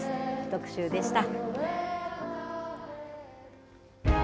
特集でした。